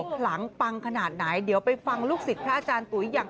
ขลังปังขนาดไหนเดี๋ยวไปฟังลูกศิษย์พระอาจารย์ตุ๋ยอย่าง